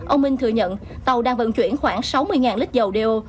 ông minh thừa nhận tàu đang vận chuyển khoảng sáu mươi lít dầu đeo